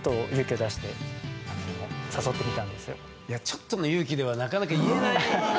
ちょっとの勇気ではなかなか言えない。